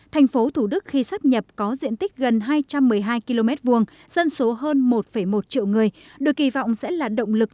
thành phố thủ đức khi sắp nhập có diện tích gần hai trăm một mươi hai km hai dân số hơn một một triệu người được kỳ vọng sẽ là động lực